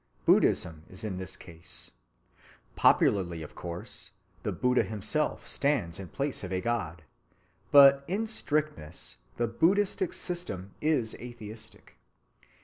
Buddhism is in this case. Popularly, of course, the Buddha himself stands in place of a God; but in strictness the Buddhistic system is atheistic.